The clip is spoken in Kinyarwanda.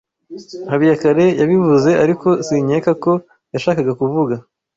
Habiyakare yabivuze, ariko sinkeka ko yashakaga kuvuga.